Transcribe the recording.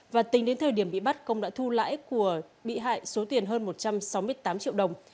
và tính đến thời điểm bị bắt công đã thu lãi của bị hại số tiền hơn một trăm sáu mươi tám triệu đồng